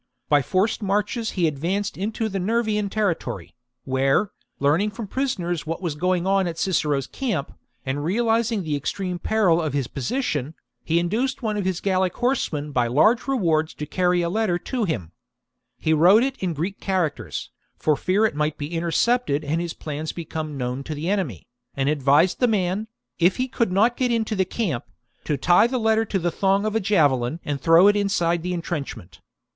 By forced marches he advanced into the Nervian territory, where, learning from prisoners what was going on at Cicero's camp, and realizing the extreme peril of his position, he induced one of his Gallic horsemen by lars^e rewards to carry a letter to and sends a ^^ 1 r dispatch to him. He wrote it in Greek characters,^ for fear cicero. it might be intercepted and his plans become known to the enemy, and advised the man, if he could not get into the camp, to tie the letter to the thong of a javelin and throw it inside the entrenchment.